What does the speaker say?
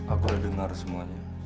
aku udah dengar semuanya